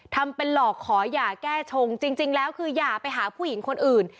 ทำเป็นหลอกขออย่าแก้ชงจริงแล้วคืออย่าไปหาผู้หญิงคนอื่น